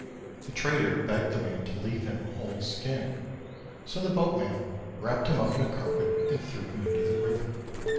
The trader begged the man to leave him a whole skin; so the boatman wrapped him up in a carpet and threw him into the river.